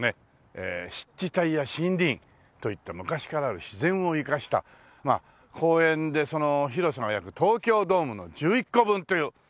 えー湿地帯や森林といった昔からある自然を生かした公園でその広さが約東京ドームの１１個分というね。